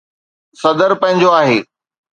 صدر پنهنجو آهي.